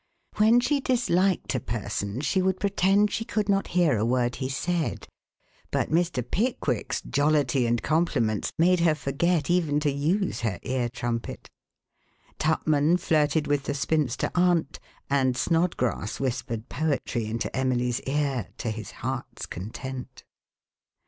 When she disliked a person she would pretend she could not hear a word he said, but Mr. Pickwick's jollity and compliments made her forget even to use her ear trumpet. Tupman flirted with the spinster aunt and Snodgrass whispered poetry into Emily's ear to his heart's content.